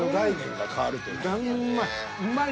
うまい。